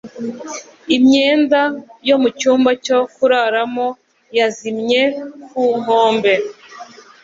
Imyenda yo mucyumba cyo kuraramo yazimye ku nkombe.